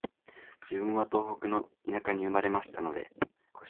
自分は東北の田舎に生まれましたので、